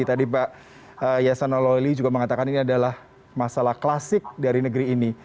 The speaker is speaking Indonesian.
tadi pak yasona loli juga mengatakan ini adalah masalah klasik dari negeri ini